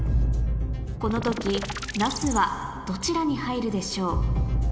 この時ナスはどちらに入るでしょう？